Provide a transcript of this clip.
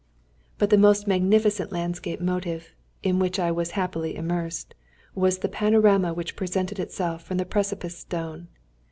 But the most magnificent landscape motive (in which I was happily immersed) was the panorama which presented itself from the "Precipice Stone."